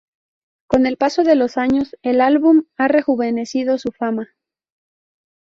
Con el paso de los años, el álbum ha rejuvenecido su fama.